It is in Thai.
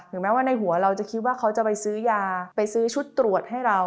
แม้ว่าในหัวเราจะคิดว่าเขาจะไปซื้อยาไปซื้อชุดตรวจให้เรา